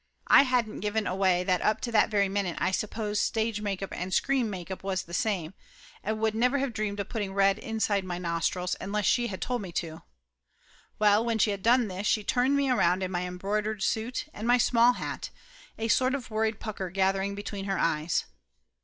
I hadn't given away that up to that very minute I supposed stage make up and screen make up was the same, and would never have dreamed of putting red inside my nostrils unless she had told me to. Well, when she had done this she turned me around in my embroidered suit and my small hat, a sort of worried pucker gather ing between her eyes.